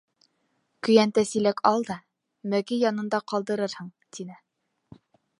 Көйәнтә-силәк ал да, мәке янында ҡалдырырһың, — тине.